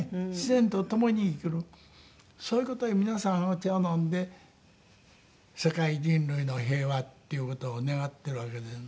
そういう事で皆さんお茶を飲んで世界人類の平和っていう事を願っているわけです。